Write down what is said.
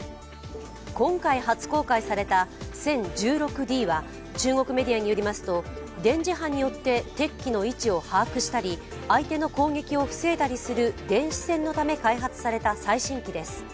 今回、初公開された殲１６Ｄは中国メディアによりますと、電磁波によって敵機の位置を把握したり相手の攻撃を防いだりする電子戦のため開発された最新機です。